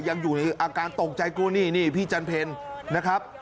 ยังอยู่ในอาการตกใจกลัวนี่นี่พี่จันเพลนะครับ